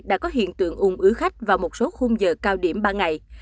đã có hiện tượng ung ứ khách vào một số khung giờ cao điểm ba ngày